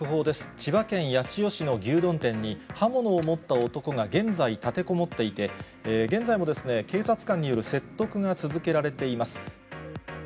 千葉県八千代市の牛丼店に、刃物を持った男が現在立てこもっていて、現在も警察官による説得が続けられています。